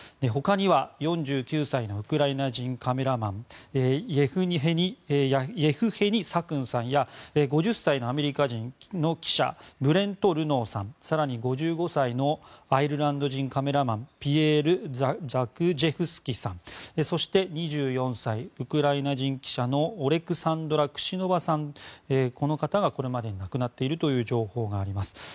他には４９歳のウクライナ人カメラマンイェフヘニ・サクンさんや５０歳のアメリカ人記者ブレント・ルノーさん更に５５歳のアイルランド人カメラマンピエール・ザグジェフスキさんそして、２４歳ウクライナ人記者のオレクサンドラ・クシノバさんがこれまでに亡くなっているという情報があります。